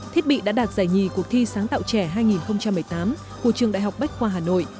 thiết bị đã đạt giải nhì cuộc thi sáng tạo trẻ hai nghìn một mươi tám của trường đại học bách khoa hà nội